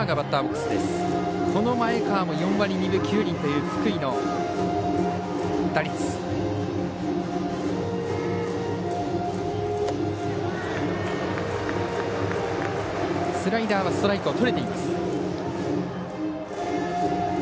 スライダーはストライクをとれています。